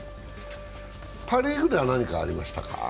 パ・リーグでは何かありましたか。